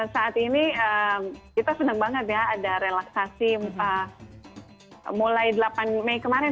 saat ini kita senang banget ya ada relaksasi mulai delapan mei kemarin